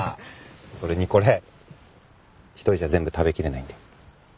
それにこれ一人じゃ全部食べきれないんで。